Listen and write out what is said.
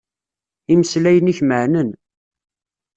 Imeslayen-ik meɛnen.